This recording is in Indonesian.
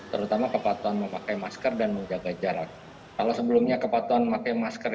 terutama kepatuhan memakai masker dan menjaga jarak kalau sebelumnya kepatuhan memakai masker